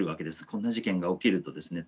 こんな事件が起きるとですね